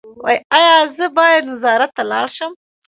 ایا زه باید وزارت ته لاړ شم؟